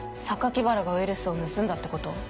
原がウイルスを盗んだってこと？